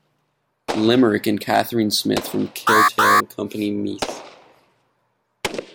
Limerick, and Catherine Smith from Kiltale, Company Meath.